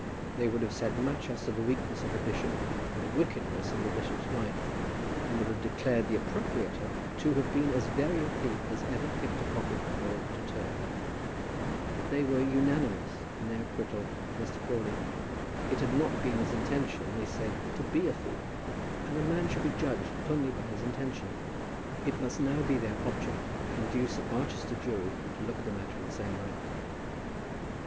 They would have said much as to the weakness of the bishop and the wickedness of the bishop's wife, and would have declared the appropriator to have been as very a thief as ever picked a pocket or opened a till; but they were unanimous in their acquittal of Mr. Crawley. It had not been his intention, they said, to be a thief, and a man should be judged only by his intention. It must now be their object to induce a Barchester jury to look at the matter in the same light.